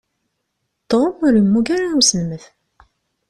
Tom ur yemmug ara i uselmed.